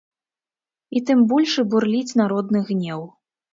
І тым большы бурліць народны гнеў.